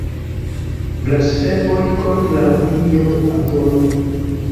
Blasfemoj kontraŭ dio Apollo!